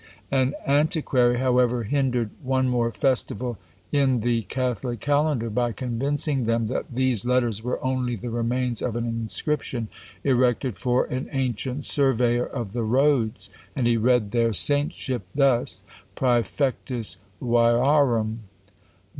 An antiquary, however, hindered one more festival in the Catholic calendar, by convincing them that these letters were only the remains of an inscription erected for an ancient surveyor of the roads; and he read their saintship thus: PRÆFECTUS VIARUM.